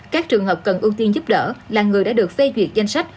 các trường hợp cần ưu tiên giúp đỡ là người đã được phê duyệt danh sách